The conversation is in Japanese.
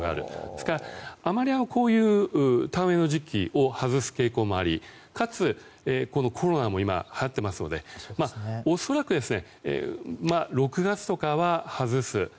ですから、田植えの時期を外す傾向もありかつ、コロナも今はやっていますので恐らく、６月とかは外す。